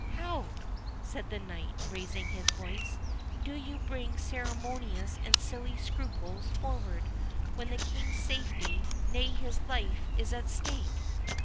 "How!" said the knight, raising his voice; "do you bring ceremonious and silly scruples forward, when the King's safety, nay his life is at stake!